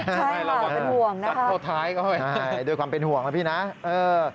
ใช่ค่ะเป็นห่วงนะครับด้วยความเป็นห่วงนะพี่นะเออ